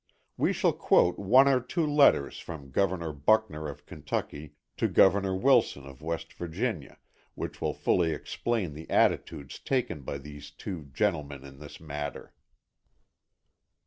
We shall quote one or two letters from Governor Buckner of Kentucky to Governor Wilson of West Virginia, which will fully explain the attitudes taken by these two gentlemen in this matter.